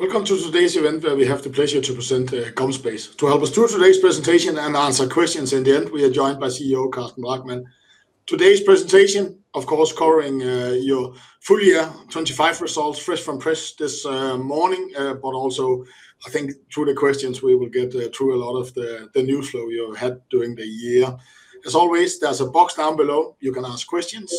Welcome to today's event, where we have the pleasure to present, GomSpace. To help us through today's presentation and answer questions in the end, we are joined by CEO Carsten Drachmann. Today's presentation, of course, covering, your full year 2025 results, fresh from press this morning. But also, I think through the questions, we will get through a lot of the news flow you had during the year. As always, there's a box down below. You can ask questions,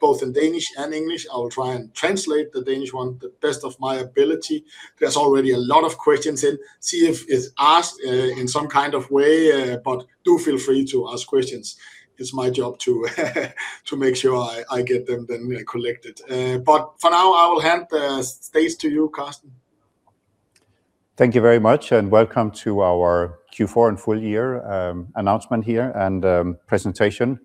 both in Danish and English. I will try and translate the Danish one to the best of my ability. There's already a lot of questions in. See if it's asked, in some kind of way, but do feel free to ask questions. It's my job to make sure I get them then collected. But for now, I will hand the stage to you, Carsten. Thank you very much, and welcome to our Q4 and full year announcement here and presentation.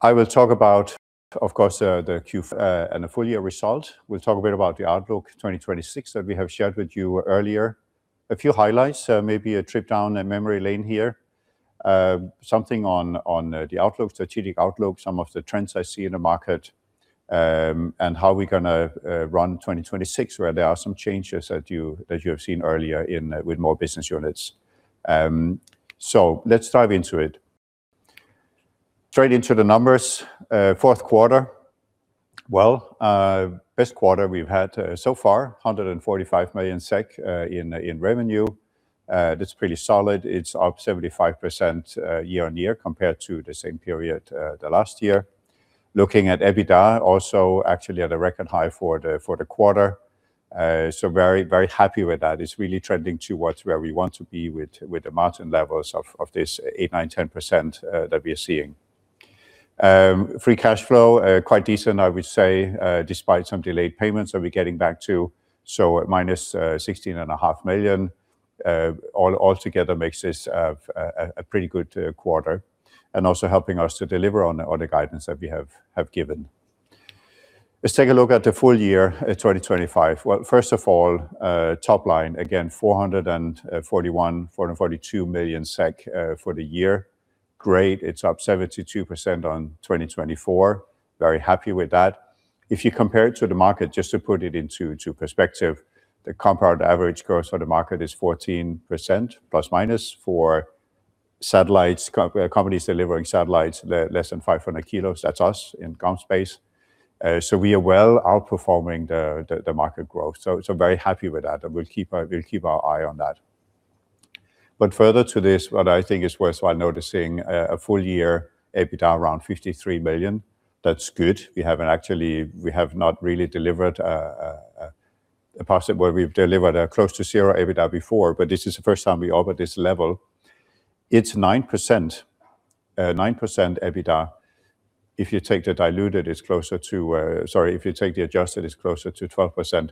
I will talk about, of course, the Q4 and the full year result. We'll talk a bit about the outlook 2026 that we have shared with you earlier. A few highlights, maybe a trip down the memory lane here. Something on the outlook, strategic outlook, some of the trends I see in the market, and how we're gonna run 2026, where there are some changes that you have seen earlier in with more business units. Let's dive into it. Straight into the numbers. Fourth quarter, well, best quarter we've had so far, 145 million SEK in revenue. That's pretty solid. It's up 75%, year-on-year, compared to the same period the last year. Looking at EBITDA, also actually at a record high for the quarter. So very, very happy with that. It's really trending towards where we want to be with the margin levels of this 8%-10% that we are seeing. Free cash flow quite decent, I would say, despite some delayed payments that we're getting back to, so minus sixteen and a half million all together makes this a pretty good quarter and also helping us to deliver on the guidance that we have given. Let's take a look at the full year 2025. Well, first of all, top line, again, 441-442 million SEK for the year. Great. It's up 72% on 2024. Very happy with that. If you compare it to the market, just to put it into perspective, the compound average growth for the market is 14%, plus minus for satellites, companies delivering satellites less than 500 kg. That's us in GomSpace. So we are well outperforming the market growth. So very happy with that, and we'll keep our eye on that. But further to this, what I think is worthwhile noticing, a full year EBITDA around 53 million. That's good. We haven't actually we have not really delivered a profit where we've delivered a close to zero EBITDA before, but this is the first time we are over this level. It's 9%, 9% EBITDA. If you take the diluted, it's closer to... Sorry, if you take the adjusted, it's closer to 12%.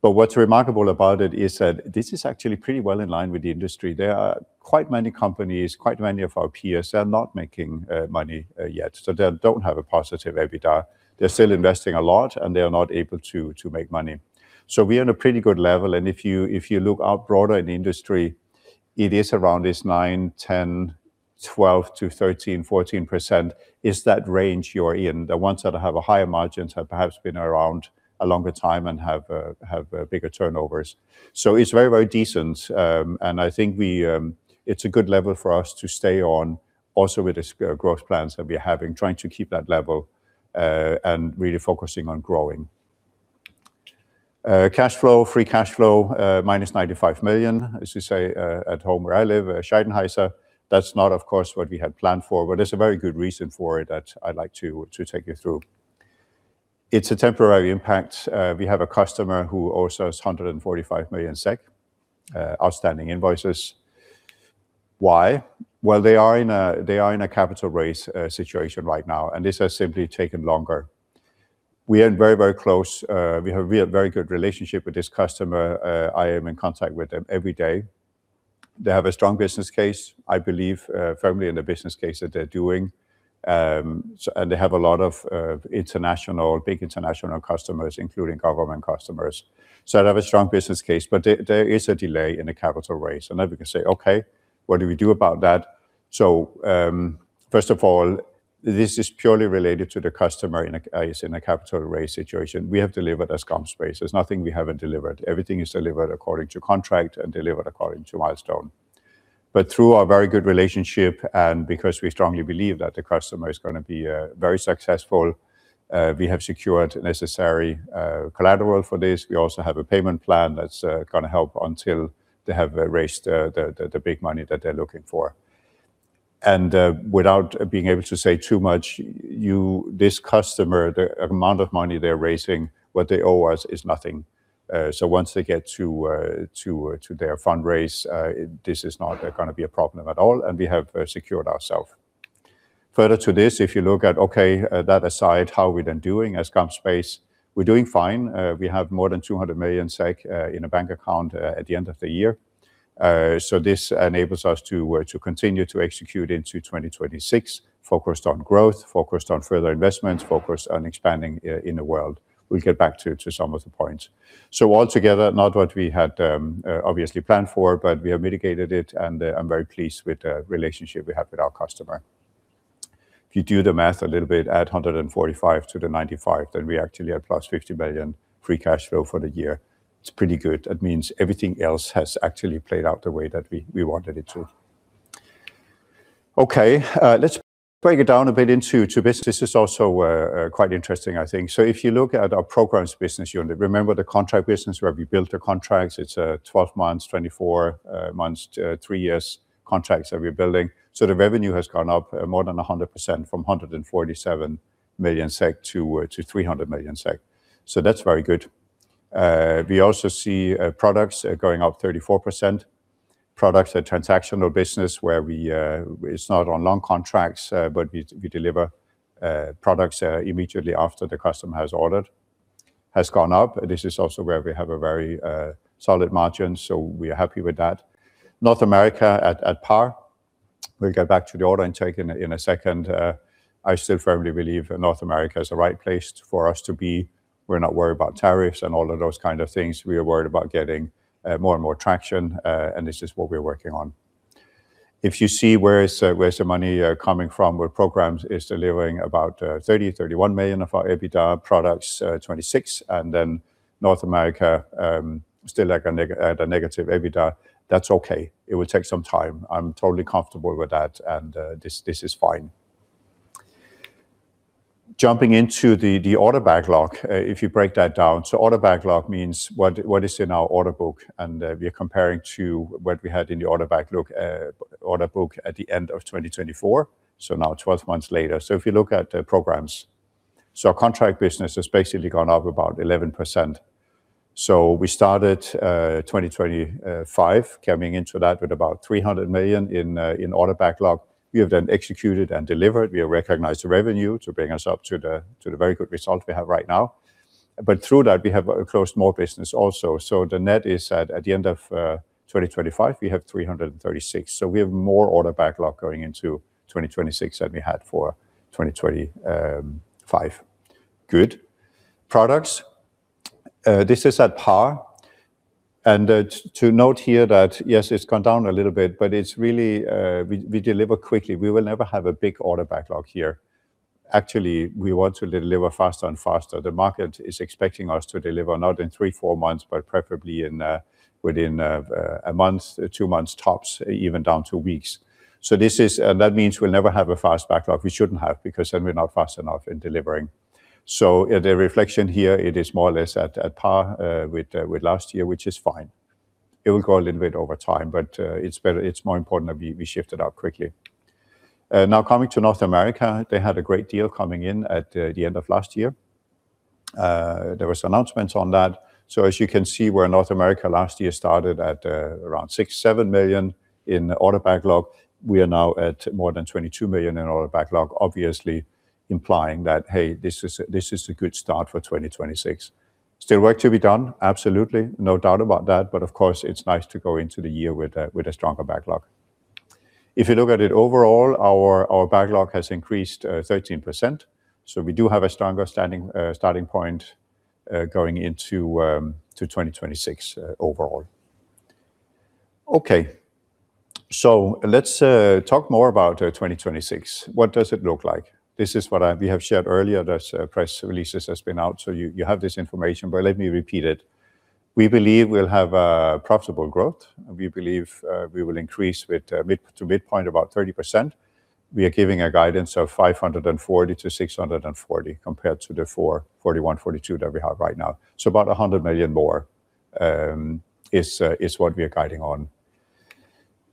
But what's remarkable about it is that this is actually pretty well in line with the industry. There are quite many companies, quite many of our peers are not making money yet, so they don't have a positive EBITDA. They're still investing a lot, and they are not able to make money. So we are on a pretty good level, and if you look out broader in the industry, it is around this 9, 10, 12-13, 14%, is that range you're in. The ones that have a higher margins have perhaps been around a longer time and have, have, bigger turnovers. So it's very, very decent, and I think we, it's a good level for us to stay on also with this, growth plans that we're having, trying to keep that level, and really focusing on growing. Cash flow, free cash flow, minus 95 million, as we say, at home, where I live, Scheibenkleister, that's not, of course, what we had planned for, but there's a very good reason for it that I'd like to take you through. It's a temporary impact. We have a customer who owes us 145 million SEK, outstanding invoices. Why? Well, they are in a capital raise situation right now, and this has simply taken longer. We are very, very close. We have a very good relationship with this customer. I am in contact with them every day. They have a strong business case. I believe firmly in the business case that they're doing, and they have a lot of international, big international customers, including government customers. So they have a strong business case, but there is a delay in the capital raise, and then we can say, "Okay, what do we do about that?" So, first of all, this is purely related to the customer in a capital raise situation. We have delivered as GomSpace. There's nothing we haven't delivered. Everything is delivered according to contract and delivered according to milestone. But through our very good relationship, and because we strongly believe that the customer is gonna be very successful, we have secured necessary collateral for this. We also have a payment plan that's gonna help until they have raised the big money that they're looking for. And without being able to say too much, you, this customer, the amount of money they're raising, what they owe us is nothing. So once they get to their fundraise, this is not gonna be a problem at all, and we have secured ourself. Further to this, if you look at, okay, that aside, how are we then doing as GomSpace? We're doing fine. We have more than 200 million SEK in a bank account at the end of the year. So this enables us to to continue to execute into 2026, focused on growth, focused on further investments, focused on expanding in the world. We'll get back to, to some of the points. So altogether, not what we had, obviously planned for, but we have mitigated it, and, I'm very pleased with the relationship we have with our customer. If you do the math a little bit, add 145 to the 95, then we actually had plus 50 million free cash flow for the year. It's pretty good. That means everything else has actually played out the way that we, we wanted it to. Okay, let's break it down a bit into two bits. This is also, quite interesting, I think. So if you look at our Programs business unit, remember the contract business where we built the contracts, it's 12 months, 24 months to three years contracts that we're building. So the revenue has gone up more than 100% from 147 million SEK to 300 million SEK. So that's very good. We also see products going up 34%. Products are transactional business, where we it's not on long contracts but we we deliver products immediately after the customer has ordered, has gone up. This is also where we have a very solid margin, so we are happy with that. North America at par. We'll go back to the order intake in a second. I still firmly believe that North America is the right place for us to be. We're not worried about tariffs and all of those kind of things. We are worried about getting more and more traction, and this is what we're working on. If you see where is, where is the money coming from, where Programs is delivering about 30-31 million of our EBITDA products, 26, and then North America still like a negative EBITDA. That's okay. It will take some time. I'm totally comfortable with that, and this is fine. Jumping into the order backlog, if you break that down, so order backlog means what is in our order book, and we are comparing to what we had in the order backlog, order book at the end of 2024, so now 12 months later. So if you look at the Programs, so our contract business has basically gone up about 11%. So we started 2025, coming into that with about 300 million in order backlog. We have then executed and delivered. We have recognized the revenue to bring us up to the very good result we have right now. But through that, we have closed more business also. So the net is at the end of 2025, we have 336 million. So we have more Order Backlog going into 2026 than we had for 2025. Good. Products, this is at par, and to note here that, yes, it's gone down a little bit, but it's really we deliver quickly. We will never have a big Order Backlog here. Actually, we want to deliver faster and faster. The market is expecting us to deliver not in three, four months, but preferably in within a month, two months tops, even down two weeks. So this is that means we'll never have a fast backlog. We shouldn't have, because then we're not fast enough in delivering. So the reflection here, it is more or less at par with last year, which is fine. It will go a little bit over time, but it's better it's more important that we shift it out quickly. Now coming to North America, they had a great deal coming in at the end of last year. There was announcements on that. So as you can see, where North America last year started at around $6-7 million in order backlog, we are now at more than $22 million in order backlog, obviously implying that, hey, this is a good start for 2026. Still work to be done? Absolutely. No doubt about that, but of course, it's nice to go into the year with a stronger backlog. If you look at it overall, our backlog has increased 13%, so we do have a stronger standing starting point going into to 2026 overall. Okay, so let's talk more about 2026. What does it look like? This is what we have shared earlier, this press releases has been out, so you have this information, but let me repeat it. We believe we'll have profitable growth. We believe we will increase with mid to midpoint about 30%. We are giving a guidance of 540 million to 640 million, compared to the 441 million to 442 million that we have right now. So about 100 million more is what we are guiding on.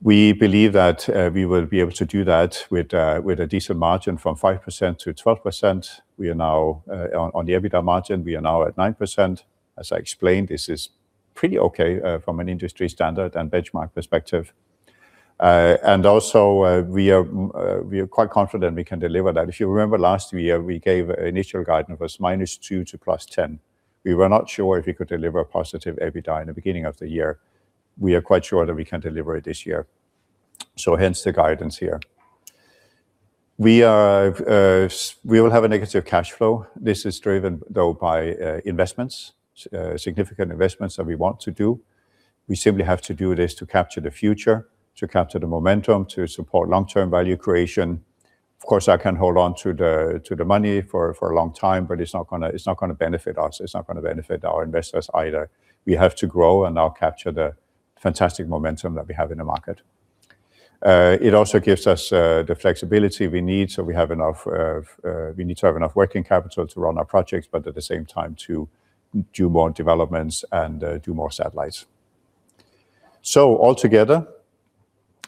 We believe that, we will be able to do that with, with a decent margin from 5%-12%. We are now, on the EBITDA margin, we are now at 9%. As I explained, this is pretty okay, from an industry standard and benchmark perspective. And also, we are quite confident we can deliver that. If you remember last year, we gave initial guidance was -2% to +10%. We were not sure if we could deliver positive EBITDA in the beginning of the year. We are quite sure that we can deliver it this year, so hence the guidance here. We are, we will have a negative cash flow. This is driven, though, by, investments, significant investments that we want to do. We simply have to do this to capture the future, to capture the momentum, to support long-term value creation. Of course, I can hold on to the money for a long time, but it's not gonna benefit us. It's not gonna benefit our investors either. We have to grow and now capture the fantastic momentum that we have in the market. It also gives us the flexibility we need, so we have enough, we need to have enough working capital to run our projects, but at the same time, to do more developments and do more satellites. So all together,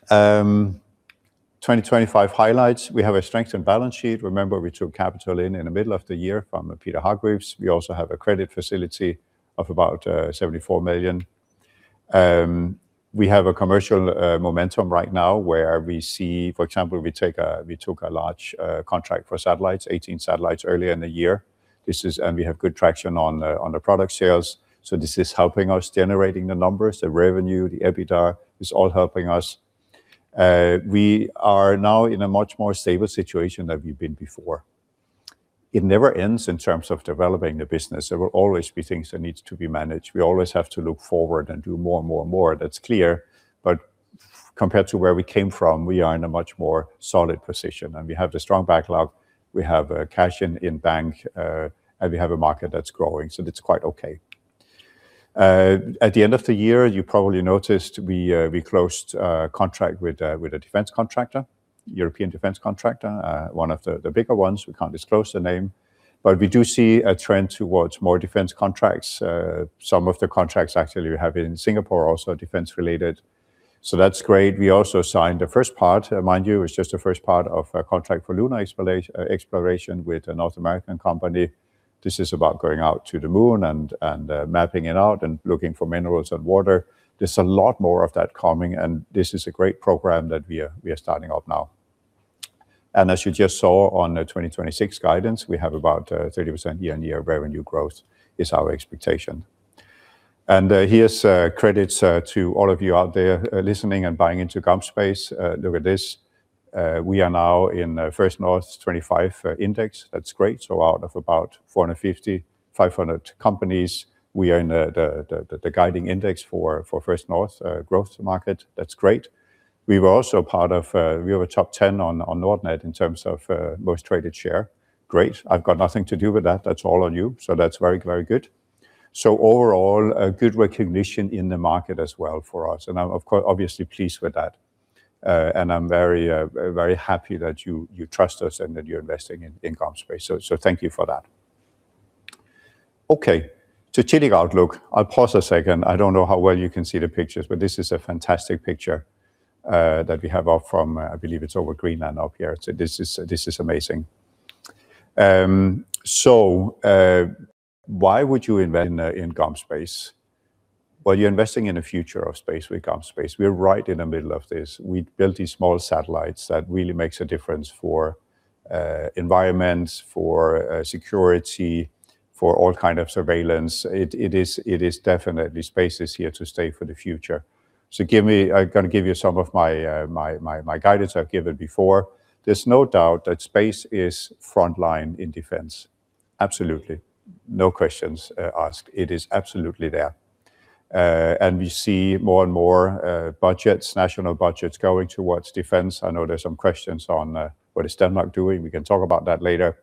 2025 highlights, we have a strong balance sheet. Remember, we took capital in the middle of the year from Peter Hargreaves. We also have a credit facility of about 74 million. We have a commercial momentum right now where we see, for example, we took a large contract for satellites, 18 satellites, earlier in the year. This is, and we have good traction on the product sales, so this is helping us generating the numbers, the revenue, the EBITDA, is all helping us. We are now in a much more stable situation than we've been before. It never ends in terms of developing the business. There will always be things that needs to be managed. We always have to look forward and do more and more and more. That's clear, but compared to where we came from, we are in a much more solid position, and we have the strong backlog, we have cash in bank, and we have a market that's growing, so that's quite okay. At the end of the year, you probably noticed we closed a contract with a defense contractor, European defense contractor, one of the bigger ones. We can't disclose the name, but we do see a trend towards more defense contracts. Some of the contracts actually we have in Singapore are also defense-related, so that's great. We also signed the first part, mind you, it's just the first part of a contract for lunar exploration with a North American company. This is about going out to the moon and mapping it out and looking for minerals and water. There's a lot more of that coming, and this is a great program that we are starting up now. As you just saw on the 2026 guidance, we have about 30% year-on-year revenue growth as our expectation. Here's credits to all of you out there listening and buying into GomSpace. Look at this. We are now in First North's 25 Index. That's great. So out of about 450-500 companies, we are in the guiding index for First North growth market. That's great. We also have a top 10 on Nordnet in terms of most traded share. Great! I've got nothing to do with that. That's all on you, so that's very, very good. So overall, a good recognition in the market as well for us, and I'm of course, obviously pleased with that. I'm very, very happy that you, you trust us and that you're investing in, in GomSpace. So, so thank you for that. Okay, to chilly outlook. I'll pause a second. I don't know how well you can see the pictures, but this is a fantastic picture that we have up from, I believe it's over Greenland up here. So this is, this is amazing. So, why would you invest in, in GomSpace? Well, you're investing in the future of space with GomSpace. We're right in the middle of this. We built these small satellites that really makes a difference for environment, for security, for all kind of surveillance. It is, it is definitely space is here to stay for the future. So give me. I'm gonna give you some of my, my, my, my guidance I've given before. There's no doubt that space is frontline in defense. Absolutely, no questions asked. It is absolutely there. And we see more and more, budgets, national budgets going towards defense. I know there are some questions on, what is Denmark doing? We can talk about that later.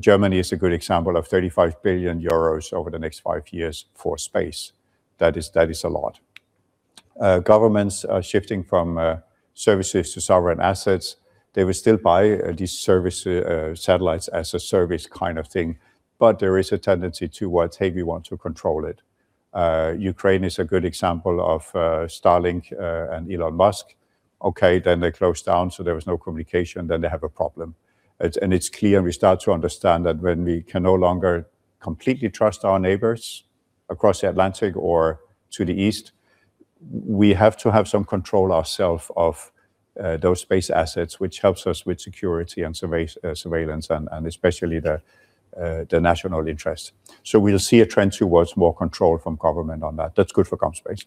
Germany is a good example of 35 billion euros over the next 5 years for space. That is, that is a lot. Governments are shifting from, services to sovereign assets. They will still buy, these service, satellites as a service kind of thing, but there is a tendency towards, "Hey, we want to control it." Ukraine is a good example of, Starlink, and Elon Musk. Okay, then they closed down, so there was no communication, then they have a problem. It's clear, and we start to understand that when we can no longer completely trust our neighbors across the Atlantic or to the east, we have to have some control ourselves of those space assets, which helps us with security and surveillance and especially the national interest. So we'll see a trend towards more control from government on that. That's good for GomSpace.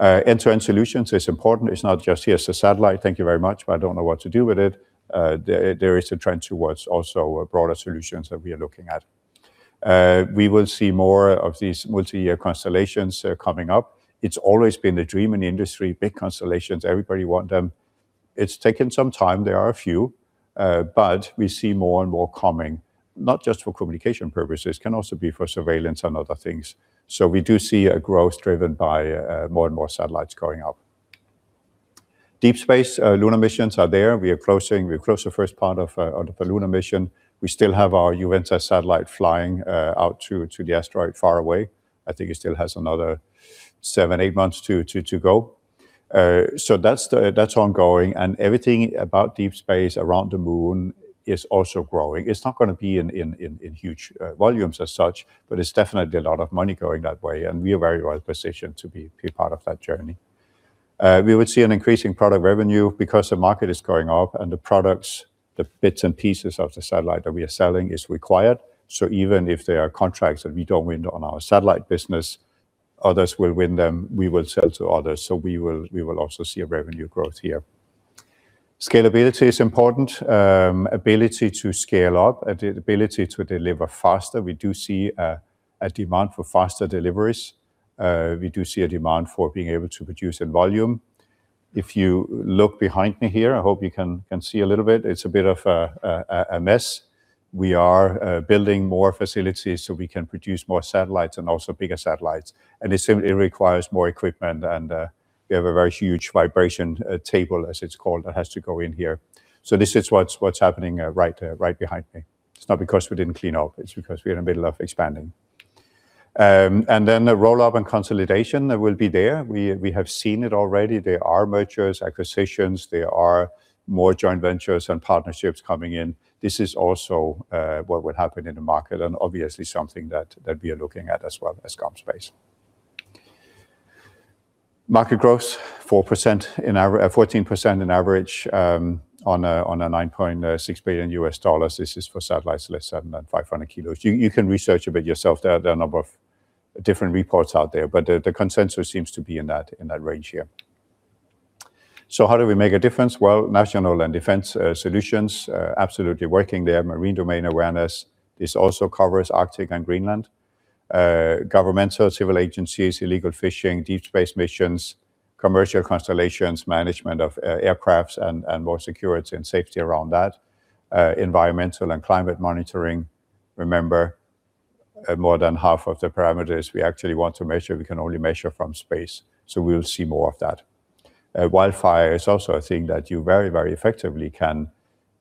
End-to-end solutions is important. It's not just, "Here's a satellite. Thank you very much, but I don't know what to do with it." There is a trend towards also broader solutions that we are looking at. We will see more of these multi-year constellations coming up. It's always been the dream in the industry, big constellations, everybody want them. It's taken some time. There are a few, but we see more and more coming, not just for communication purposes, it can also be for surveillance and other things. So we do see a growth driven by more and more satellites going up. Deep space, lunar missions are there. We are closing. We closed the first part of of the lunar mission. We still have our Juventas satellite flying out to to the asteroid far away. I think it still has another seven to eight months to to to go. So that's the that's ongoing, and everything about deep space around the moon is also growing. It's not gonna be in in in in huge volumes as such, but it's definitely a lot of money going that way, and we are very well positioned to be be part of that journey. We would see an increase in product revenue because the market is going up and the products, the bits and pieces of the satellite that we are selling is required. So even if there are contracts that we don't win on our satellite business, others will win them, we will sell to others. So we will, we will also see a revenue growth here. Scalability is important, ability to scale up, ability to deliver faster. We do see a demand for faster deliveries. We do see a demand for being able to produce in volume. If you look behind me here, I hope you can, can see a little bit. It's a bit of a mess. We are building more facilities so we can produce more satellites and also bigger satellites, and it simply requires more equipment, and we have a very huge vibration table, as it's called, that has to go in here. So this is what's happening right behind me. It's not because we didn't clean up, it's because we are in the middle of expanding. And then the roll-up and consolidation that will be there, we have seen it already. There are mergers, acquisitions, there are more joint ventures and partnerships coming in. This is also what would happen in the market, and obviously something that we are looking at as well as GomSpace. Market growth, 14% in average, on a $9.6 billion. This is for satellites less than 500 kg. You can research a bit yourself. There are a number of different reports out there, but the consensus seems to be in that range here. So how do we make a difference? Well, national and defense solutions, absolutely working there. Marine domain awareness, this also covers Arctic and Greenland. Governmental, civil agencies, illegal fishing, deep space missions, commercial constellations, management of aircrafts, and more security and safety around that. Environmental and climate monitoring. Remember, more than half of the parameters we actually want to measure, we can only measure from space, so we'll see more of that. Wildfire is also a thing that you very, very effectively can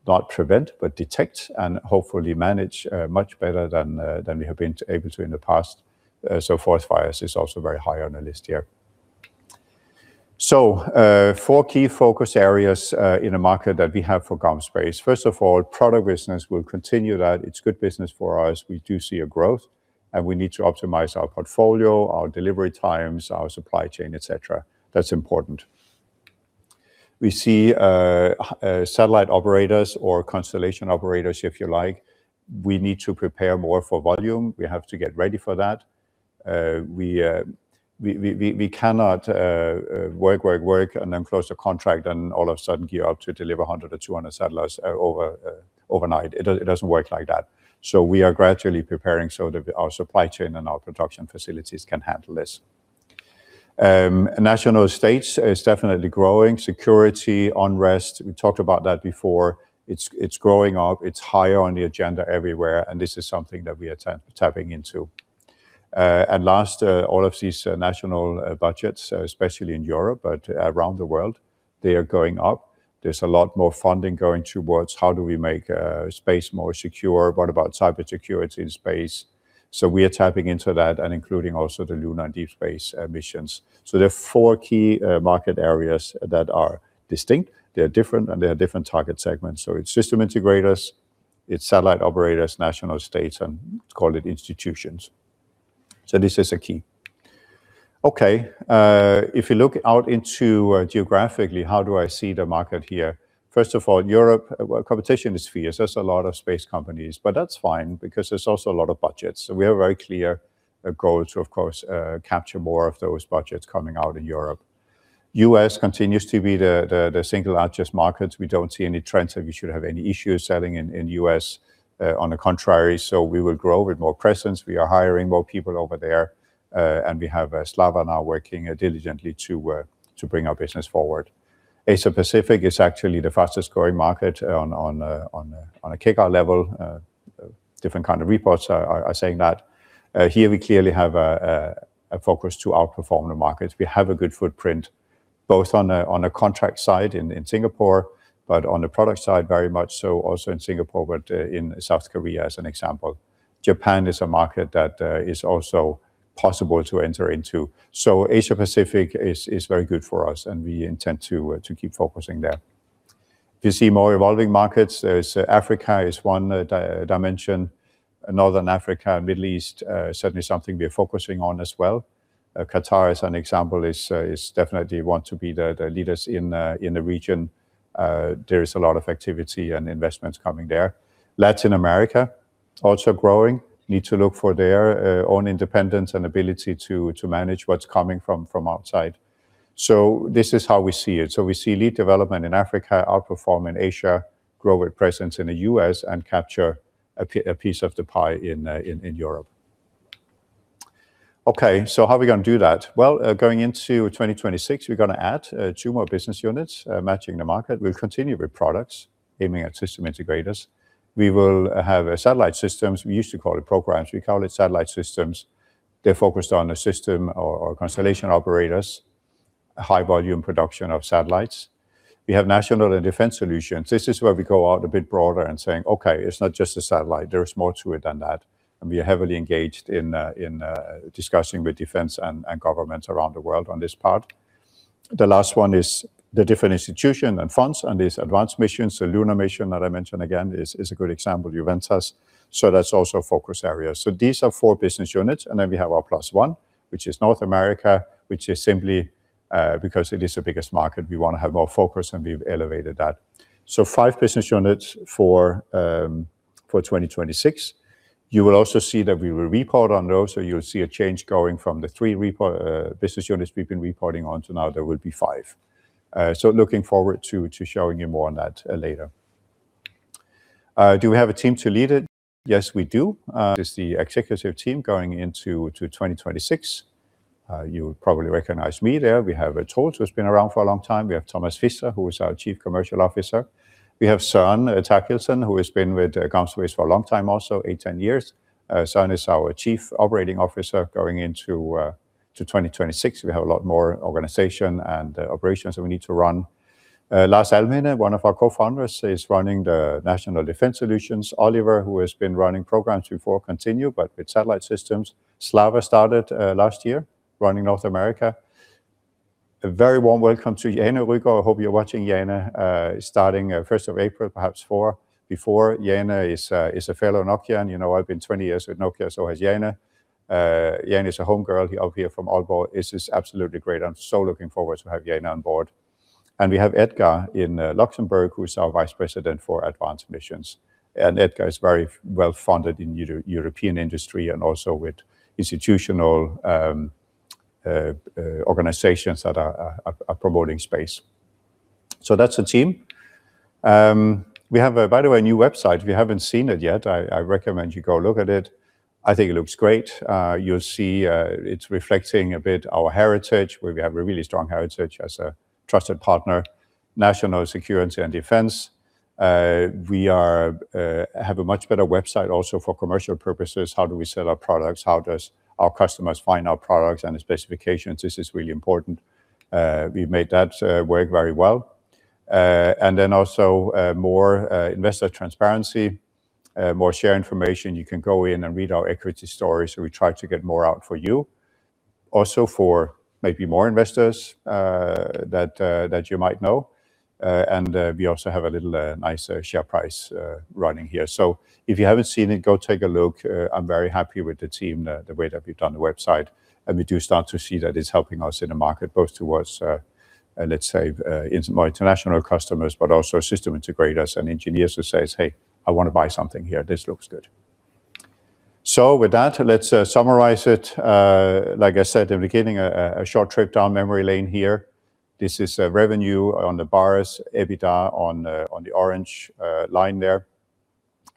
not prevent, but detect and hopefully manage much better than than we have been able to in the past. So forest fires is also very high on the list here. So, four key focus areas in the market that we have for GomSpace. First of all, product business, we'll continue that. It's good business for us. We do see a growth, and we need to optimize our portfolio, our delivery times, our supply chain, et cetera. That's important. We see satellite operators or constellation operators, if you like. We need to prepare more for volume. We have to get ready for that. We cannot work and then close the contract and all of a sudden gear up to deliver 100 or 200 satellites overnight. It doesn't work like that. So we are gradually preparing so that our supply chain and our production facilities can handle this. Nation states is definitely growing. Security, unrest, we talked about that before. It's growing up, it's higher on the agenda everywhere, and this is something that we are tapping into. And last, all of these national budgets, especially in Europe, but around the world, they are going up. There's a lot more funding going towards how do we make space more secure? What about cybersecurity in space? So we are tapping into that and including also the lunar deep space missions. So there are four key market areas that are distinct, they are different, and they are different target segments. So it's system integrators, it's satellite operators, national states, and let's call it institutions. So this is the key. Okay, if you look out into geographically, how do I see the market here? First of all, Europe, well, competition is fierce. There's a lot of space companies, but that's fine because there's also a lot of budgets. So we have very clear goals to, of course, capture more of those budgets coming out in Europe. U.S. continues to be the single largest market. We don't see any trends that we should have any issues selling in U.S. On the contrary, so we will grow with more presence. We are hiring more people over there, and we have Slava now working diligently to bring our business forward. Asia Pacific is actually the fastest growing market on a kick-off level. Different kind of reports are saying that. Here we clearly have a focus to outperform the market. We have a good footprint, both on a contract side in Singapore, but on the product side, very much so also in Singapore, but in South Korea, as an example. Japan is a market that is also possible to enter into. So Asia Pacific is very good for us, and we intend to keep focusing there. If you see more evolving markets, there's Africa is one dimension. Northern Africa, Middle East, certainly something we are focusing on as well. Qatar, as an example, is definitely want to be the leaders in the region. There is a lot of activity and investments coming there. Latin America, also growing, need to look for their own independence and ability to manage what's coming from outside. So this is how we see it. So we see lead development in Africa, outperform in Asia, grow with presence in the U.S., and capture a piece of the pie in Europe. Okay, so how are we gonna do that? Well, going into 2026, we're gonna add two more business units, matching the market. We'll continue with products aiming at system integrators. We will have a satellite systems. We used to call it programs. We call it satellite systems. They're focused on the system or constellation operators, high volume production of satellites. We have national and defense solutions. This is where we go out a bit broader and saying, "Okay, it's not just a satellite. There is more to it than that." And we are heavily engaged in discussing with defense and governments around the world on this part. The last one is the different institution and funds, and this advanced mission, the Luna mission that I mentioned again, is a good example, Juventas. So that's also a focus area. So these are four business units, and then we have our plus one, which is North America, which is simply because it is the biggest market, we want to have more focus, and we've elevated that. So 5 business units for 2026. You will also see that we will report on those, so you'll see a change going from the three reported business units we've been reporting on to now there will be five. So looking forward to showing you more on that later. Do we have a team to lead it? Yes, we do. This is the executive team going into 2026. You probably recognize me there. We have Troels, who's been around for a long time. We have Thomas Pfister, who is our Chief Commercial Officer. We have Søren Therkildsen, who has been with GomSpace for a long time, also 8-10 years. Søren is our Chief Operating Officer going into 2026. We have a lot more organization and operations that we need to run. Lars Alminde, one of our co-founders, is running the National Defense Solutions. Oliver, who has been running programs before, continue, but with satellite systems. Slava started last year, running North America. A very warm welcome to Jane Rygaard. I hope you're watching, Jane. Starting first of April, perhaps four, before Jane is a fellow Nokian. You know, I've been 20 years with Nokia, so has Jane. Jane is a home girl out here from Aalborg. This is absolutely great. I'm so looking forward to have Jane on board. We have Edgar in Luxembourg, who is our Vice President for Advanced Missions. Edgar is very well-founded in European industry and also with institutional organizations that are promoting space. So that's the team. We have, by the way, a new website. If you haven't seen it yet, I recommend you go look at it. I think it looks great. You'll see, it's reflecting a bit our heritage, where we have a really strong heritage as a trusted partner, national security and defense. We have a much better website also for commercial purposes. How do we sell our products? How does our customers find our products and the specifications? This is really important. We've made that work very well. And then also, more investor transparency, more share information. You can go in and read our equity story, so we try to get more out for you. Also, for maybe more investors that you might know. And we also have a little nice share price running here. So if you haven't seen it, go take a look. I'm very happy with the team, the way that we've done the website, and we do start to see that it's helping us in the market, both towards, let's say, in more international customers, but also system integrators and engineers who says, "Hey, I want to buy something here, this looks good." So with that, let's summarize it. Like I said, in the beginning, a short trip down memory lane here. This is revenue on the bars, EBITDA on the orange line there.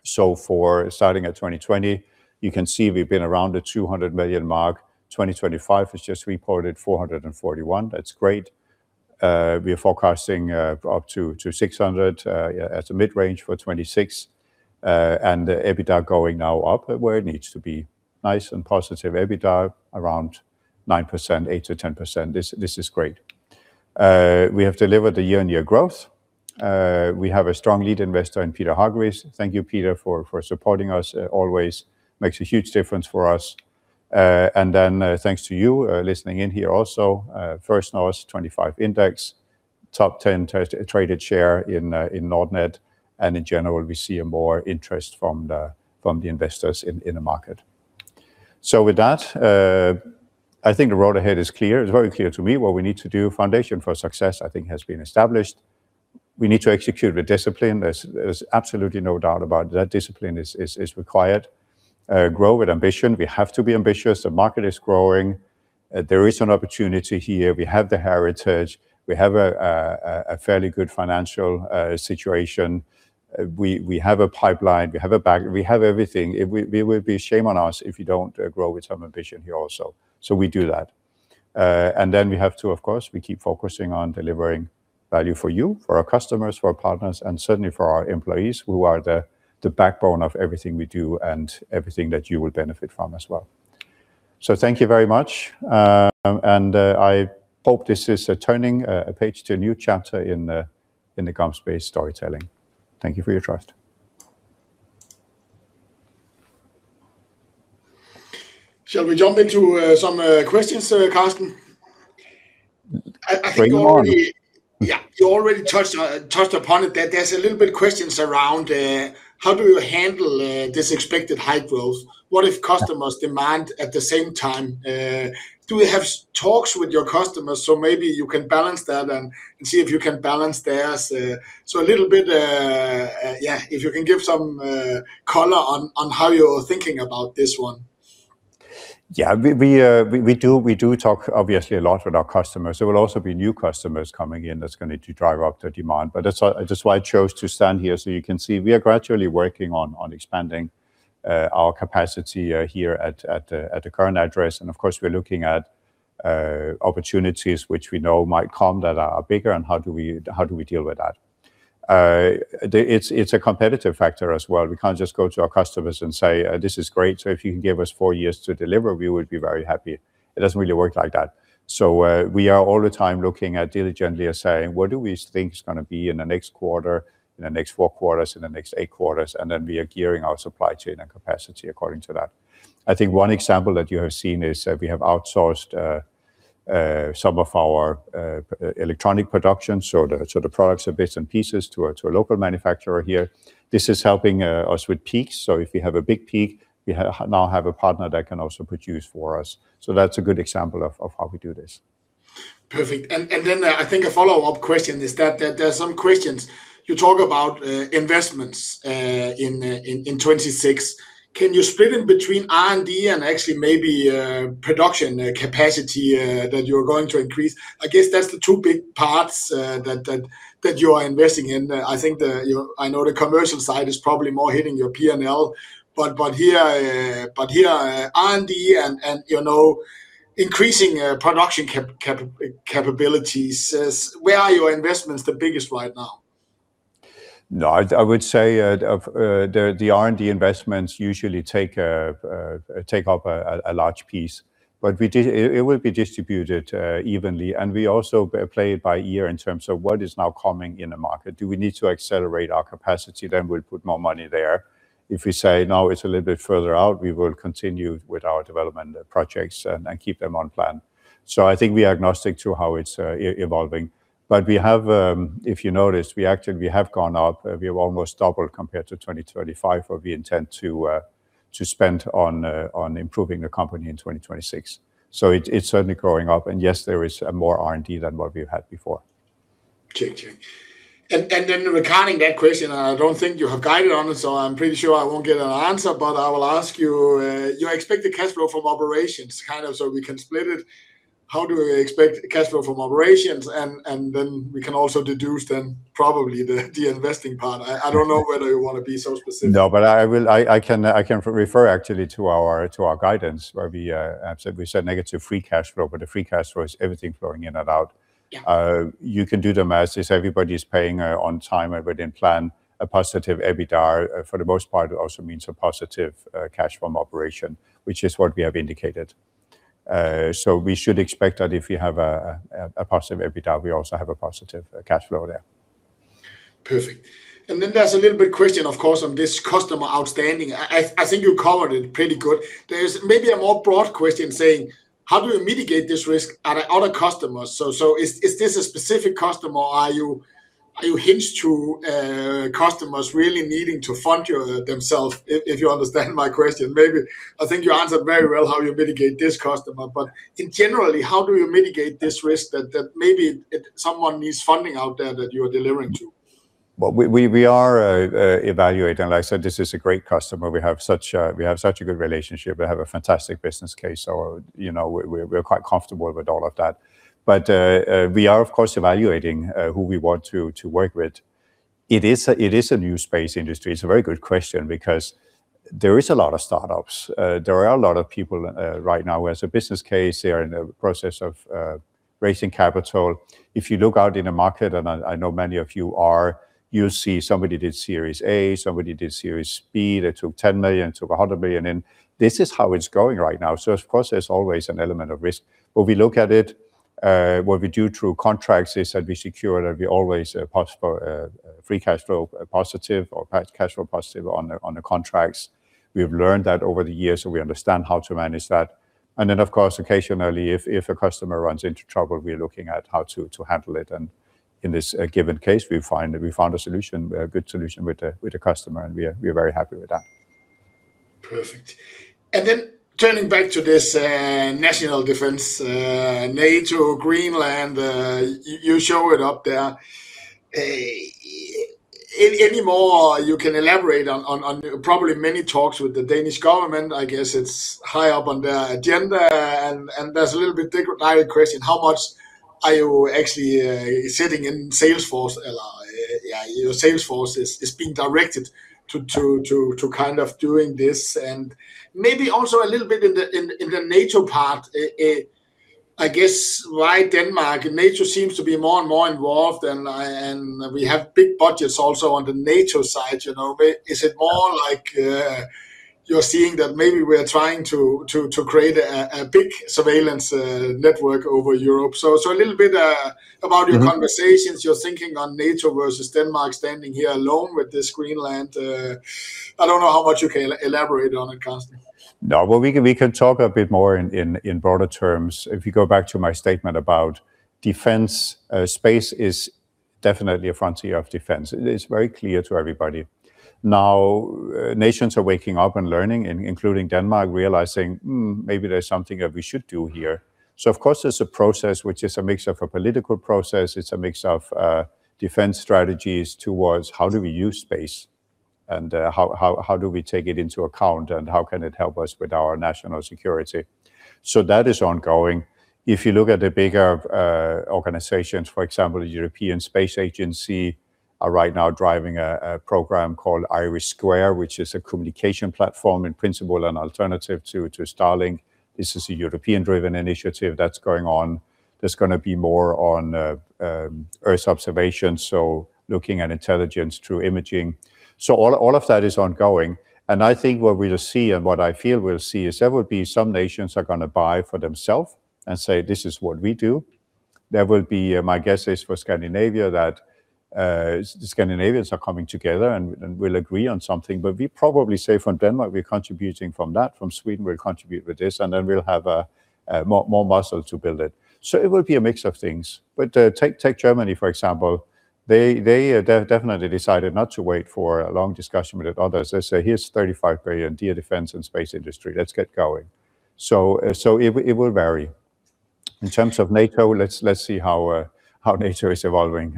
So for starting at 2020, you can see we've been around the 200 million mark. 2025 has just reported 441. That's great. We are forecasting up to 600 as a mid-range for 2026, and the EBITDA going now up where it needs to be. Nice and positive EBITDA, around 9%, 8%-10%. This is great. We have delivered the year-on-year growth. We have a strong lead investor in Peter Hargreaves. Thank you, Peter, for supporting us always. Makes a huge difference for us. And then, thanks to you listening in here also, First North 25 Index, top ten traded share in Nordnet, and in general, we see more interest from the investors in the market. So with that, I think the road ahead is clear. It's very clear to me what we need to do. Foundation for success, I think, has been established. We need to execute with discipline. There's absolutely no doubt about that. Discipline is required. Grow with ambition. We have to be ambitious. The market is growing, there is an opportunity here. We have the heritage, we have a fairly good financial situation, we have a pipeline, we have a backlog, we have everything. It would be shame on us if we don't grow with some ambition here also. So we do that. And then we have to, of course, keep focusing on delivering value for you, for our customers, for our partners, and certainly for our employees, who are the backbone of everything we do and everything that you will benefit from as well. Thank you very much, and I hope this is turning a page to a new chapter in the GomSpace storytelling. Thank you for your trust. Shall we jump into some questions, Carsten? Bring them on. I think you already. Yeah, you already touched upon it, that there's a little bit questions around how do you handle this expected high growth? What if customers demand at the same time? Do we have talks with your customers, so maybe you can balance that and see if you can balance theirs? So a little bit, yeah, if you can give some color on how you're thinking about this one. Yeah, we do talk, obviously, a lot with our customers. There will also be new customers coming in that's going to drive up the demand, but that's why I chose to stand here. So you can see, we are gradually working on expanding our capacity here at the current address. And of course, we're looking at opportunities which we know might come that are bigger, and how do we deal with that? It's a competitive factor as well. We can't just go to our customers and say, "This is great, so if you can give us four years to deliver, we would be very happy." It doesn't really work like that. So, we are all the time looking at diligently and saying, "What do we think is gonna be in the next quarter, in the next four quarters, in the next eight quarters?" And then we are gearing our supply chain and capacity according to that. I think one example that you have seen is that we have outsourced some of our electronic production, so the products are bits and pieces to a local manufacturer here. This is helping us with peaks. So if we have a big peak, we now have a partner that can also produce for us. So that's a good example of how we do this. Perfect. And then, I think a follow-up question is that there are some questions. You talk about investments in 2026. Can you split in between R&D and actually maybe production capacity that you're going to increase? I guess that's the two big parts that you are investing in. I think the, you know. I know the commercial side is probably more hitting your PNL, but here, R&D and, and you know, increasing production capabilities. Where are your investments the biggest right now? No, I would say of the R&D investments usually take up a large piece. But it will be distributed evenly, and we also play it by ear in terms of what is now coming in the market. Do we need to accelerate our capacity? Then we'll put more money there. If we say, "No, it's a little bit further out," we will continue with our development projects and keep them on plan. So I think we are agnostic to how it's evolving. But we have, if you noticed, we actually have gone up. We have almost doubled compared to 2025, where we intend to spend on improving the company in 2026. It's certainly going up, and yes, there is more R&D than what we've had before. Okay, okay. Then regarding that question, I don't think you have guided on it, so I'm pretty sure I won't get an answer, but I will ask you, you expect the cash flow from operations, kind of so we can split it. How do we expect cash flow from operations? And then we can also deduce then probably the investing part. I don't know whether you wanna be so specific. No, but I can refer actually to our guidance, where we absolutely said negative free cash flow, but the free cash flow is everything flowing in and out. Yeah. You can do the math as everybody's paying on time, everybody in plan, a positive EBITDA for the most part, it also means a positive cash from operation, which is what we have indicated. So we should expect that if you have a positive EBITDA, we also have a positive cash flow there. Perfect. Then there's a little bit question, of course, on this customer outstanding. I think you covered it pretty good. There's maybe a more broad question saying: How do you mitigate this risk at other customers? So, is this a specific customer, or are you hinged to customers really needing to fund themselves? If you understand my question, maybe. I think you answered very well how you mitigate this customer, but in general, how do you mitigate this risk that maybe if someone needs funding out there that you are delivering to? Well, we are evaluating, like I said, this is a great customer. We have such a good relationship. We have a fantastic business case, so, you know, we're quite comfortable with all of that. But, we are, of course, evaluating who we want to work with. It is a new space industry. It's a very good question because there is a lot of startups. There are a lot of people right now, as a business case, they are in the process of raising capital. If you look out in the market, and I know many of you are, you see somebody did Series A, somebody did Series B. They took $10 million, took $100 million in. This is how it's going right now. So of course, there's always an element of risk. But we look at it, what we do through contracts, is that we secure that we always possible free cash flow positive or cash flow positive on the contracts. We have learned that over the years, so we understand how to manage that. And then, of course, occasionally, if a customer runs into trouble, we're looking at how to handle it. And in this given case, we found a solution, a good solution with the customer, and we are very happy with that. Perfect. And then turning back to this, national defense, NATO, Greenland, you show it up there. Any more you can elaborate on, probably many talks with the Danish government, I guess it's high up on the agenda, and there's a little bit detailed question: How much are you actually sitting in sales force allocation? Yeah, your sales force is being directed to kind of doing this. And maybe also a little bit in the NATO part, I guess, why Denmark? NATO seems to be more and more involved, and we have big budgets also on the NATO side, you know. But is it more like, you're seeing that maybe we are trying to create a big surveillance network over Europe? So, a little bit about your conversations, your thinking on NATO versus Denmark standing here alone with this Greenland, I don't know how much you can elaborate on it, Carsten? No, well, we can talk a bit more in broader terms. If you go back to my statement about defense, space is definitely a frontier of defense. It is very clear to everybody. Now, nations are waking up and learning, including Denmark, realizing, "Hmm, maybe there's something that we should do here." So of course, there's a process which is a mix of a political process, it's a mix of defense strategies towards how do we use space, and how do we take it into account, and how can it help us with our national security? So that is ongoing. If you look at the bigger organizations, for example, the European Space Agency, are right now driving a program called IRIS², which is a communication platform, in principle, an alternative to Starlink. This is a European-driven initiative that's going on. There's gonna be more on Earth observation, so looking at intelligence through imaging. So all, all of that is ongoing, and I think what we'll see and what I feel we'll see is there will be some nations are gonna buy for themselves and say, "This is what we do." There will be, my guess is for Scandinavia, that, Scandinavians are coming together and, and will agree on something. But we probably say from Denmark, we're contributing from that, from Sweden, we'll contribute with this, and then we'll have a more muscle to build it. So it will be a mix of things. But, take Germany, for example, they definitely decided not to wait for a long discussion with others. They say, "Here's 35 billion to your defense and space industry. Let's get going." So, it will vary. In terms of NATO, let's see how NATO is evolving.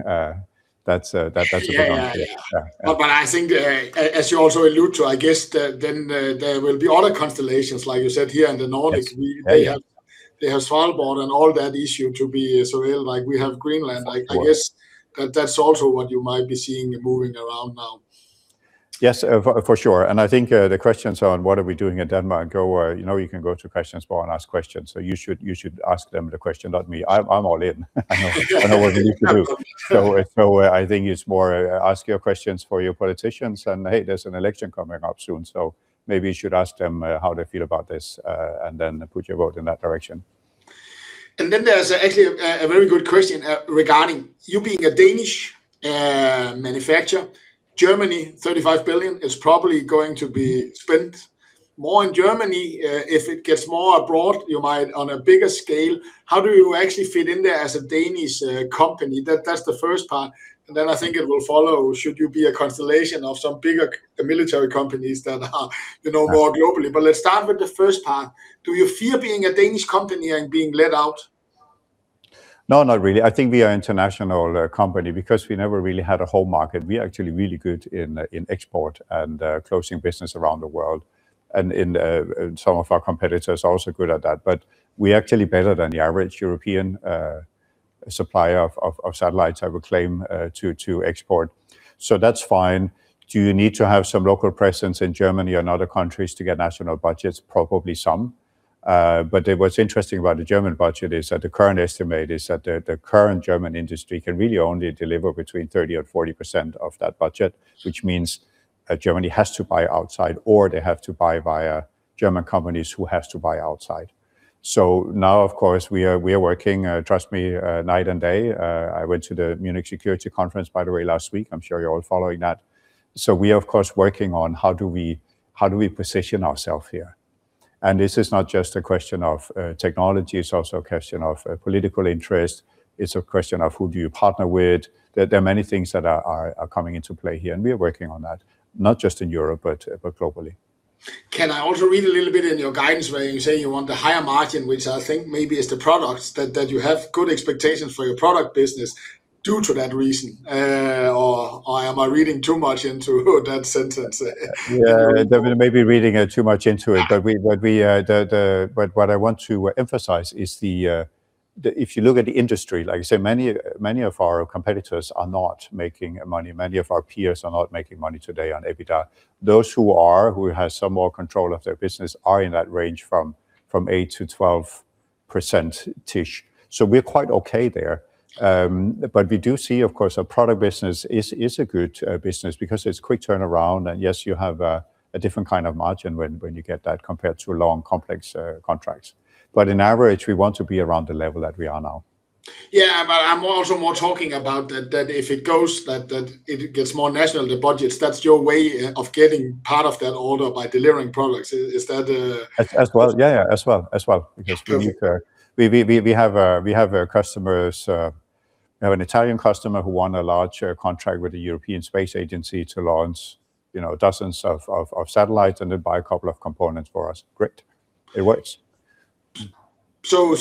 That's a big one. Yeah. Yeah. But I think, as you also allude to, I guess that then there will be other constellations, like you said, here in the Nordic. Yes. Hey They have, they have Svalbard and all that issue to be as real like we have Greenland. Of course. I guess that that's also what you might be seeing moving around now. Yes, for sure. I think the questions on what are we doing in Denmark go, you know, you can go to questions bar and ask questions, so you should ask them the question, not me. I'm all in. I know what you need to do. So I think it's more, ask your questions to your politicians, and hey, there's an election coming up soon, so maybe you should ask them how they feel about this, and then put your vote in that direction. And then there's actually a very good question regarding you being a Danish manufacturer. Germany, 35 billion, is probably going to be spent more in Germany. If it gets more abroad, you might on a bigger scale, how do you actually fit in there as a Danish company? That's the first part, and then I think it will follow, should you be a constellation of some bigger military companies that are, you know, more globally? But let's start with the first part. Do you fear being a Danish company and being left out? No, not really. I think we are international company because we never really had a home market. We are actually really good in export and closing business around the world. And, and, and some of our competitors are also good at that, but we're actually better than the average European supplier of satellites, I would claim, to export. So that's fine. Do you need to have some local presence in Germany and other countries to get national budgets? Probably some. But what's interesting about the German budget is that the current estimate is that the current German industry can really only deliver between 30% and 40% of that budget, which means that Germany has to buy outside or they have to buy via German companies who has to buy outside. So now, of course, we are, we are working, trust me, night and day. I went to the Munich Security Conference, by the way, last week. I'm sure you're all following that. So we are, of course, working on how do we, how do we position ourselves here? And this is not just a question of, technology, it's also a question of, political interest. It's a question of who do you partner with. There, there are many things that are, are, are coming into play here, and we are working on that, not just in Europe, but, globally. Can I also read a little bit in your guidance where you say you want a higher margin, which I think maybe is the products, that you have good expectations for your product business due to that reason? Or am I reading too much into that sentence there? Yeah, you may be reading too much into it. Yeah. But what I want to emphasize is if you look at the industry, like I say, many, many of our competitors are not making money. Many of our peers are not making money today on EBITDA. Those who are, who have some more control of their business, are in that range from eight to twelve percent-ish. So we're quite okay there. But we do see, of course, our product business is a good business because it's quick turnaround, and yes, you have a different kind of margin when you get that compared to long, complex contracts. But in average, we want to be around the level that we are now. Yeah, but I'm also more talking about that if it goes that it gets more national, the budgets, that's your way of getting part of that order by delivering products. Is that As well. Yeah, as well. Perfect. Because we need. We have customers. We have an Italian customer who won a large contract with the European Space Agency to launch, you know, dozens of satellites, and they buy a couple of components for us. Great. It works. So,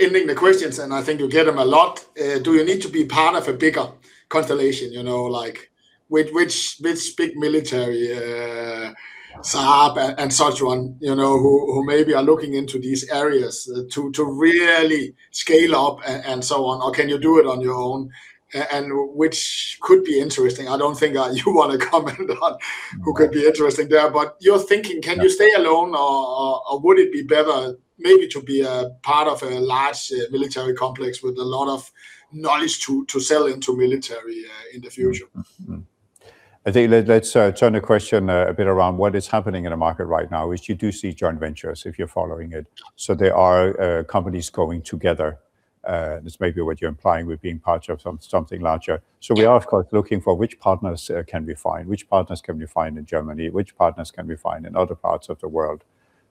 ending the questions, and I think you get them a lot, do you need to be part of a bigger constellation? You know, like, with which big military, Saab and such one, you know, who maybe are looking into these areas to really scale up and so on, or can you do it on your own? And which could be interesting. I don't think you want to comment on who could be interesting there. But you're thinking, can you stay alone, or would it be better maybe to be a part of a large military complex with a lot of knowledge to sell into military in the future? Mm-hmm. I think let's turn the question a bit around what is happening in the market right now, which you do see joint ventures, if you're following it. So there are companies going together, and this may be what you're implying with being part of something larger. So we are, of course, looking for which partners can we find, which partners can we find in Germany, which partners can we find in other parts of the world.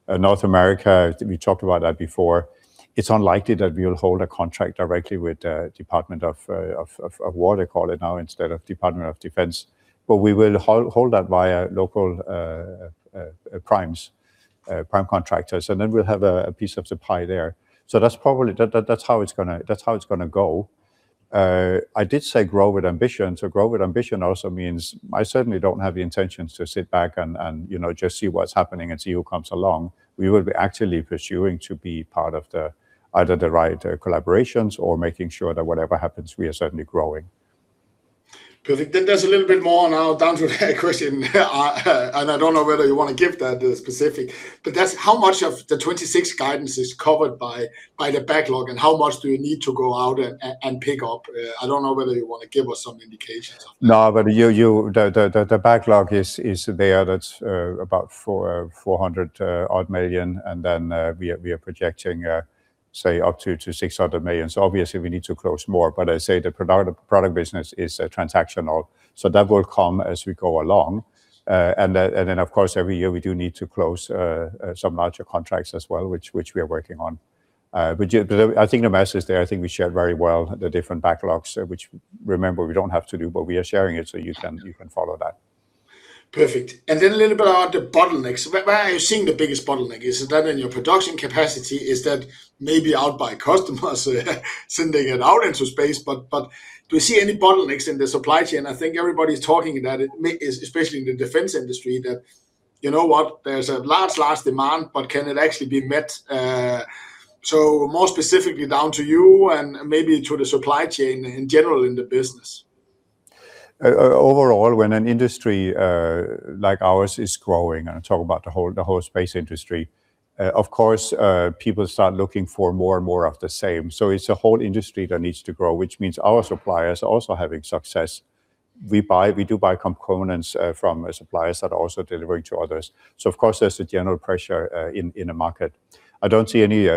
North America, we talked about that before. It's unlikely that we will hold a contract directly with the Department of War, they call it now, instead of Department of Defense But we will hold that via local primes, prime contractors, and then we'll have a piece of the pie there. So that's probably. That's how it's gonna go. I did say grow with ambition, so grow with ambition also means I certainly don't have the intentions to sit back and, you know, just see what's happening and see who comes along. We will be actively pursuing to be part of the, either the right, collaborations or making sure that whatever happens, we are certainly growing. Good. Then there's a little bit more now down to that question, and I don't know whether you want to give that specific, but that's how much of the 26 guidance is covered by the backlog, and how much do you need to go out and pick up? I don't know whether you want to give us some indications on that. No, but you the backlog is there. That's about 400 million, and then we are projecting, say, up to 600 million. So obviously, we need to close more. But I say the product business is transactional, so that will come as we go along. And then, of course, every year we do need to close some larger contracts as well, which we are working on. But yeah, I think the message there, I think we shared very well the different backlogs, which, remember, we don't have to do, but we are sharing it, so you can follow that. Perfect. And then a little bit about the bottlenecks. Where are you seeing the biggest bottleneck? Is that in your production capacity? Is that maybe out by customers sending it out into space? But do you see any bottlenecks in the supply chain? I think everybody's talking about it, especially in the defense industry, that you know what? There's a large, large demand, but can it actually be met? So more specifically, down to you and maybe to the supply chain in general in the business. Overall, when an industry like ours is growing, and I talk about the whole space industry, of course, people start looking for more and more of the same. So it's a whole industry that needs to grow, which means our suppliers are also having success. We buy, we do buy components from suppliers that are also delivering to others. So of course, there's a general pressure in the market. I don't see any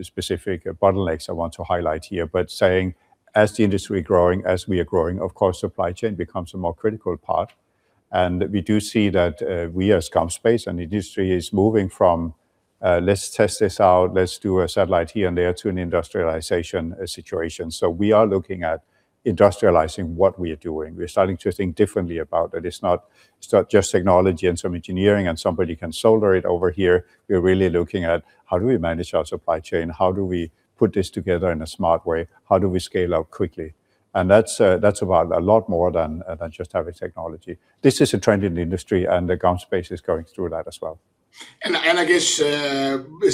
specific bottlenecks I want to highlight here, but saying, as the industry growing, as we are growing, of course, supply chain becomes a more critical part. And we do see that, we as GomSpace and the industry is moving from, "Let's test this out, let's do a satellite here and there," to an industrialization situation. So we are looking at Industrializing what we are doing. We're starting to think differently about it. It's not, it's not just technology and some engineering, and somebody can solder it over here. We're really looking at how do we manage our supply chain? How do we put this together in a smart way? How do we scale out quickly? And that's about a lot more than just having technology. This is a trend in the industry, and GomSpace is going through that as well. I guess,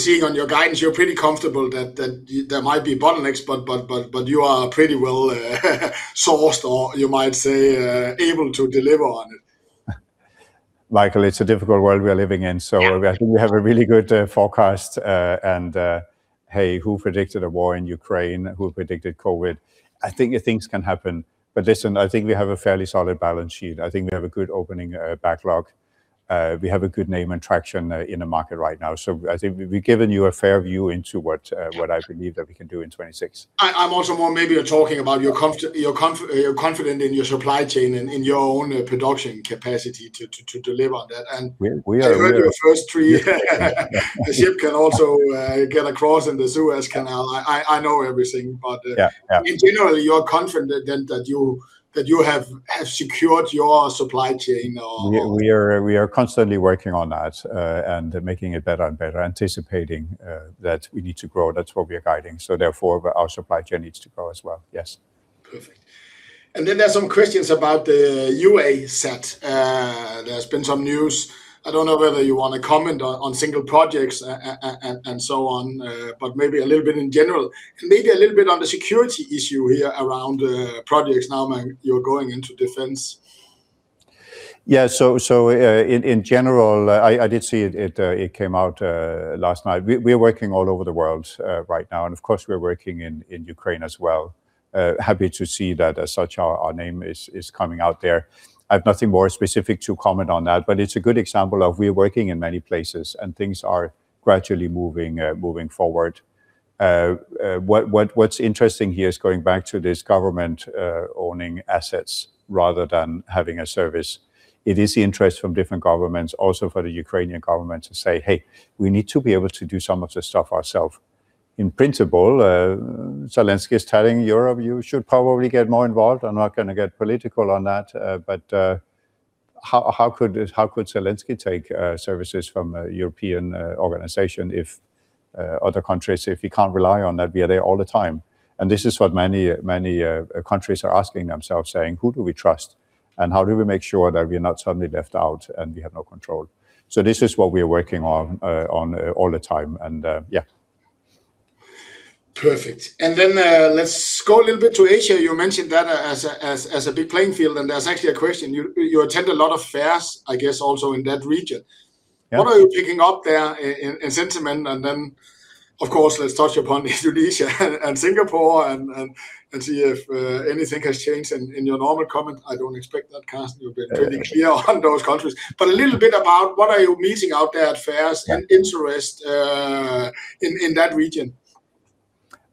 seeing on your guidance, you're pretty comfortable that there might be bottlenecks, but you are pretty well sourced, or you might say, able to deliver on it. Michael, it's a difficult world we are living in. Yeah. So I think we have a really good forecast. Hey, who predicted a war in Ukraine? Who predicted COVID? I think things can happen. But listen, I think we have a fairly solid balance sheet. I think we have a good opening backlog. We have a good name and traction in the market right now. So I think we've given you a fair view into what, Yeah What I believe that we can do in 2026. I'm also more maybe you're talking about your confidence in your supply chain and in your own production capacity to deliver on that. And- We are. I heard your first three. The ship can also get across in the Suez Canal. I know everything, but, Yeah. Yeah... in general, you're confident then that you have secured your supply chain or We are constantly working on that and making it better and better, anticipating that we need to grow. That's what we are guiding, so therefore, our supply chain needs to grow as well. Yes. Perfect. Then there are some questions about the UA sat. There's been some news. I don't know whether you want to comment on single projects, and so on, but maybe a little bit in general, and maybe a little bit on the security issue here around the projects now, when you're going into defense. Yeah. So, in general, I did see it. It came out last night. We're working all over the world right now, and of course, we're working in Ukraine as well. Happy to see that as such, our name is coming out there. I have nothing more specific to comment on that, but it's a good example of we're working in many places, and things are gradually moving forward. What's interesting here is going back to this government owning assets rather than having a service. It is the interest from different governments, also for the Ukrainian government, to say, "Hey, we need to be able to do some of this stuff ourself." In principle, Zelensky is telling Europe, "You should probably get more involved." I'm not going to get political on that, but how could Zelensky take services from a European organization if other countries, if he can't rely on that, we are there all the time? This is what many, many countries are asking themselves, saying, "Who do we trust, and how do we make sure that we are not suddenly left out and we have no control?" This is what we are working on all the time, and yeah. Perfect. And then, let's go a little bit to Asia. You mentioned that as a big playing field, and there's actually a question. You attend a lot of fairs, I guess, also in that region. Yeah. What are you picking up there in sentiment? And then, of course, let's touch upon Indonesia and Singapore and see if anything has changed in your normal comment. I don't expect that, Carsten. You've been pretty clear on those countries. But a little bit about what are you missing out there at fairs and interest in that region?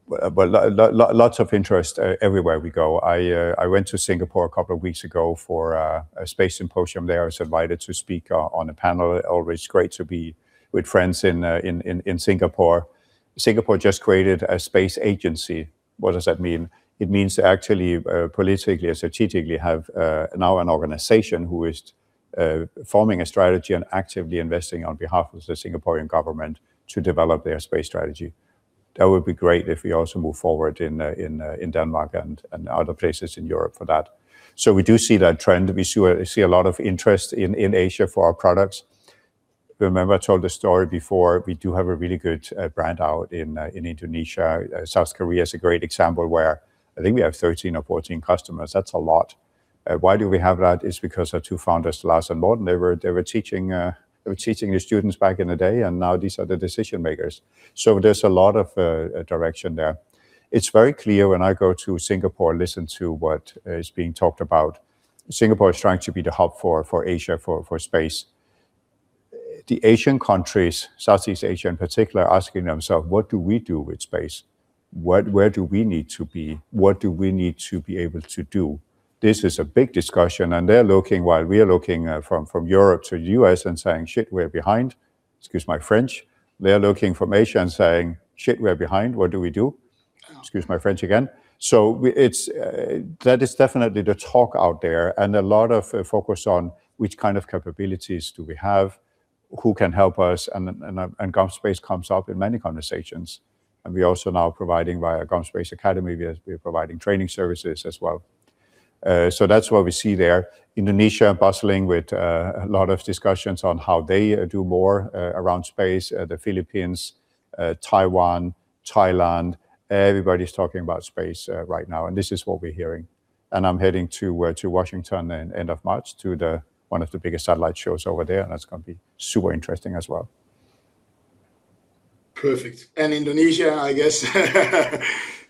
Well, lots of interest everywhere we go. I went to Singapore a couple of weeks ago for a space symposium there. I was invited to speak on a panel. Always great to be with friends in Singapore. Singapore just created a space agency. What does that mean? It means actually, politically and strategically, have now an organization who is forming a strategy and actively investing on behalf of the Singaporean government to develop their space strategy. That would be great if we also move forward in Denmark and other places in Europe for that. So we do see that trend. We see a lot of interest in Asia for our products. Remember I told the story before, we do have a really good brand out in Indonesia. South Korea is a great example where I think we have 13 or 14 customers. That's a lot. Why do we have that? It's because our two founders, Lars and Morten, they were teaching the students back in the day, and now these are the decision-makers. So there's a lot of direction there. It's very clear when I go to Singapore, listen to what is being talked about. Singapore is trying to be the hub for Asia for space. The Asian countries, Southeast Asia in particular, are asking themselves: What do we do with space? Where do we need to be? What do we need to be able to do? This is a big discussion, and they're looking. While we are looking from Europe to US and saying we're behind!" Excuse my French. They are looking from Asia and saying we're behind. What do we do? Wow. Excuse my French again. So it's that is definitely the talk out there and a lot of focus on which kind of capabilities do we have, who can help us, and GomSpace comes up in many conversations. And we are also now providing, via GomSpace Academy, we are, we are providing training services as well. So that's what we see there. Indonesia, bustling with a lot of discussions on how they do more around space. The Philippines, Taiwan, Thailand, everybody's talking about space right now, and this is what we're hearing. And I'm heading to Washington end of March, to one of the biggest satellite shows over there, and that's gonna be super interesting as well. Perfect. And Indonesia, I guess,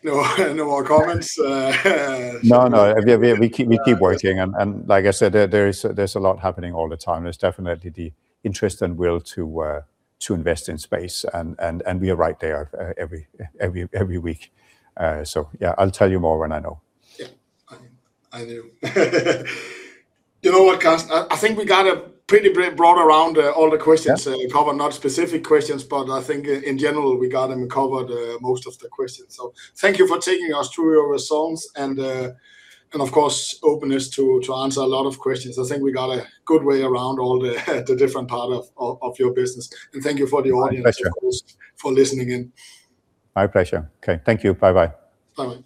no, no more comments, No, we keep working. Like I said, there is a lot happening all the time. There's definitely the interest and will to invest in space, and we are right there every week. So yeah, I'll tell you more when I know. Yeah. I do. You know what, Carsten? I think we got a pretty, pretty broad around all the questions. Yeah. Probably not specific questions, but I think in general, we got them covered, most of the questions. So thank you for taking us through your results and, of course, openness to answer a lot of questions. I think we got a good way around all the different part of your business. And thank you for the audience- My pleasure For listening in. My pleasure. Okay, thank you. Bye-bye. Bye-bye.